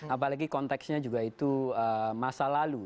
apalagi konteksnya juga itu masa lalu